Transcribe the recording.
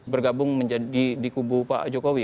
bergabung menjadi di kubu pak jokowi